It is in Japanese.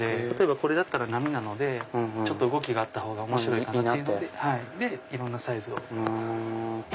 例えばこれだったら波なので動きがあったほうが面白いのでいろんなサイズを。